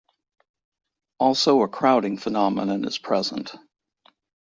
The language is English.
Also, a crowding phenomenon is present.